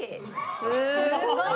すごい！